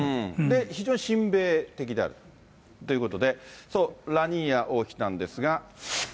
非常に親米的であるということで、ラーニア王妃なんですが。